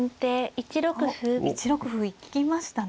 １六歩行きましたね。